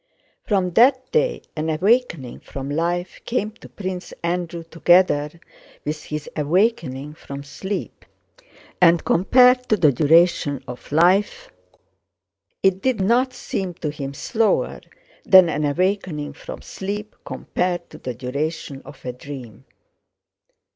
From that day an awakening from life came to Prince Andrew together with his awakening from sleep. And compared to the duration of life it did not seem to him slower than an awakening from sleep compared to the duration of a dream.